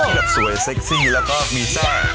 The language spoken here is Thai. แบบสวยเซ็กซี่แล้วก็มีแซ่บ